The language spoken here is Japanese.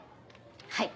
はい。